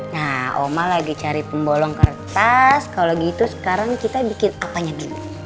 nah oma lagi cari pembolong kertas kalau gitu sekarang kita bikin apanya gini